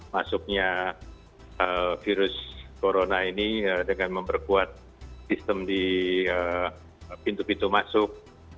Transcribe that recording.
masuknya virus corona ini dengan memperkuat sistem di pintu pintu masuk